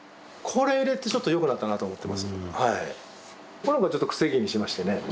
この子はちょっと癖毛にしましてね。